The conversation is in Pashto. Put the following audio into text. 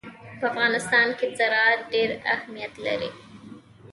په افغانستان کې زراعت ډېر اهمیت لري.